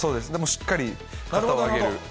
しっかり肩を上げる。